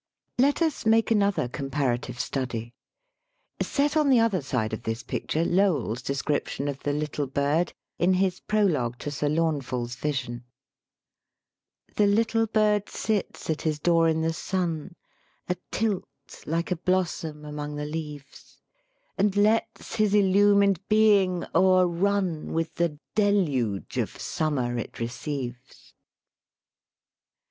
Let us make another comparative study. Set on the other side of this picture Lowell's de scription of the "little bird" in his prologue to Sir Launfal's vision: "The little bird sits at his door in the sun, Atilt like a blossom among the leaves, And lets his illumined being o'errun With the deluge of summer it receives."